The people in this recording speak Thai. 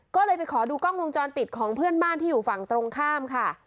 ก็เลยไปขอดูกล้องวงจรปิดของเพื่อนบ้านที่อยู่ฝั่งตรงข้ามค่ะ